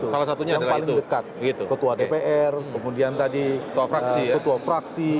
salah satunya yang paling dekat ketua dpr kemudian tadi ketua fraksi